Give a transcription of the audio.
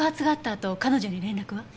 あと彼女に連絡は？